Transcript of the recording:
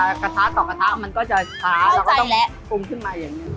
แต่กระทะต่อกระทะมันก็จะช้าเราก็ต้องปรุงขึ้นมาอย่างนี้